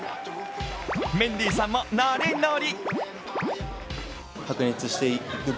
メンディーさんもノリノリ。